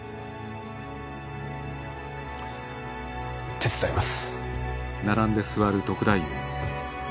手伝います。